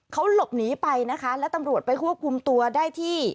เขาหลบหนีไปนะคะแล้วตำรวจไปควบคุมตัวได้ที่